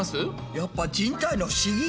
やっぱ「人体の不思議」。